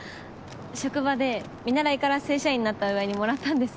職場で見習いから正社員になったお祝いにもらったんです。